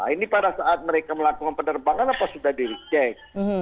ini pada saat mereka melakukan penerbangan apa sudah di recek